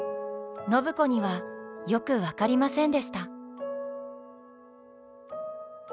暢子にはよく分かりませんでした。